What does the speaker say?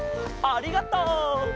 ありがとう！